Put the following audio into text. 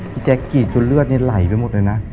แจ๊กกีดจนเลือดนี่ไหลไปหมดเลยนะ